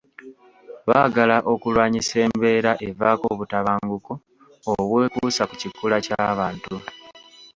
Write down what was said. Baagala okulwanyisa embeera evaako obutabanguko obwekuusa ku kikula ky’abantu.